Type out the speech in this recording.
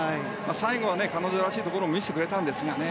最後は彼女らしいところを見せてくれたんですがね。